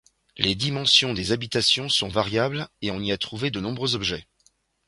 Les dimensions des habitations sont variables et on y a trouvé de nombreux objets.